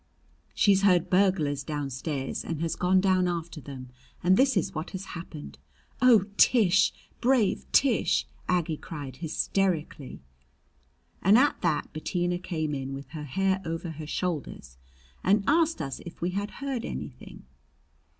"She's heard burglars downstairs and has gone down after them, and this is what has happened! Oh, Tish! brave Tish!" Aggie cried hysterically. And at that Bettina came in with her hair over her shoulders and asked us if we had heard anything.